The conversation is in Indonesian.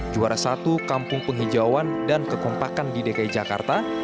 juara satu kampung penghijauan dan kekompakan di dki jakarta